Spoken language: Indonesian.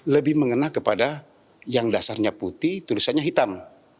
lebih mengena kepada yang dasarnya putih tulisannya hitam